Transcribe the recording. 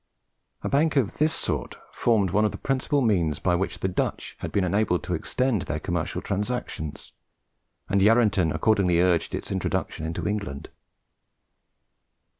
A bank of this sort formed one of the principal means by which the Dutch had been enabled to extend their commercial transactions, and Yarranton accordingly urged its introduction into England.